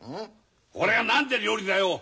これが何で料理だよ。